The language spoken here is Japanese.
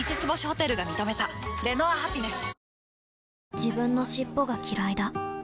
自分の尻尾がきらいだ